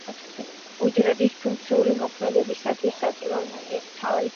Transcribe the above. ატფ უჯრედის ფუნქციური მოქმედებისათვის საჭირო ენერგიის მთავარი წყაროა.